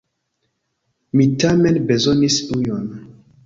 Mi tamen bezonis ujon.